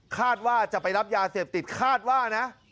คาดว่าจะไปรับยาเสพติดคาดว่านะ